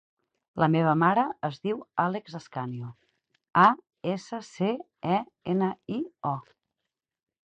La meva mare es diu Àlex Ascanio: a, essa, ce, a, ena, i, o.